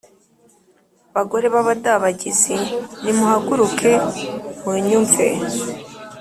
Bagore b’abadabagizi, nimuhaguruke munyumve!